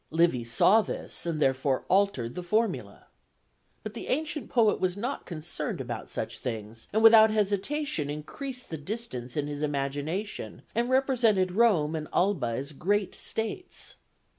Livy saw this, and therefore altered the formula. But the ancient poet was not concerned about such things, and without hesitation increased the distance in his imagination, and represented Rome and Alba as great states.